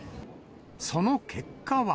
その結果は。